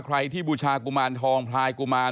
ที่บูชากุมารทองพลายกุมาร